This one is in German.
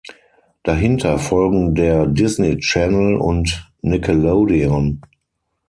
Dahinter folgen der Disney Channel und Nickelodeon.